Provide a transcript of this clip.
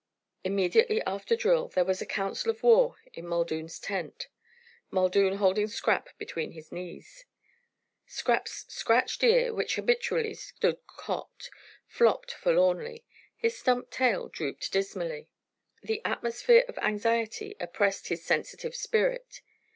Immediately after drill there was a council of war in Muldoon's tent, Muldoon holding Scrap between his knees. Scrap's scratched ear, which habitually stood cocked, flopped forlornly; his stump tail drooped dismally. The atmosphere of anxiety oppressed his sensitive spirit.